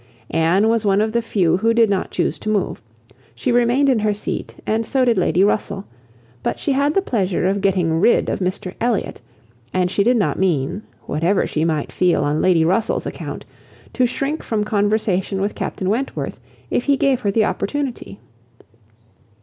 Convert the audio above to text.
Anne was one of the few who did not choose to move. She remained in her seat, and so did Lady Russell; but she had the pleasure of getting rid of Mr Elliot; and she did not mean, whatever she might feel on Lady Russell's account, to shrink from conversation with Captain Wentworth, if he gave her the opportunity.